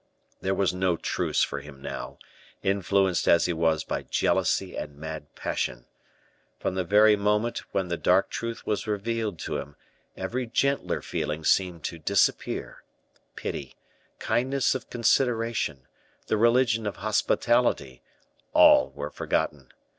There was no truce for him now, influenced as he was by jealousy and mad passion. From the very moment when the dark truth was revealed to him, every gentler feeling seemed to disappear; pity, kindness of consideration, the religion of hospitality, all were forgotten.